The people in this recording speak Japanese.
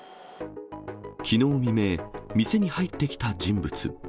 きのう未明、店に入ってきた人物。